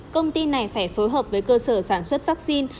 công ty này phải phối hợp với cơ sở sản xuất vaccine